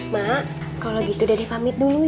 mak kalo gitu dede pamit dulu ya